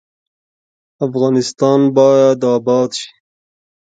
افغانستان باید اباد شي